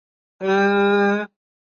判断这封信是否重要